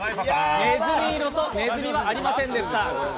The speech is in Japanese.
ねずみ色とねずみはありませんでした。